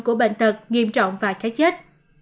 các bệnh tật nghiêm trọng và khát chết